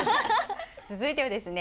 続いてはですね